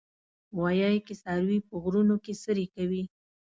غویی کې څاروي په غرونو کې څرې کوي.